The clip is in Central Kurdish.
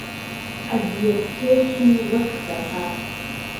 عهزیەتکێشی وهک فهرهاد